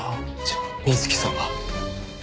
じゃあ水木さんは。